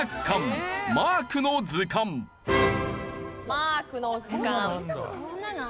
『マークの図鑑』。